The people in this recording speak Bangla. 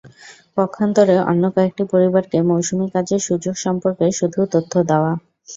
পক্ষান্তরে অন্য কয়েকটি পরিবারকে মৌসুমি কাজের সুযোগ সম্পর্কে শুধু তথ্য দেওয়া হয়।